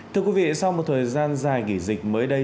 thưa quý vị sau một thời gian dài nghỉ dịch mới đây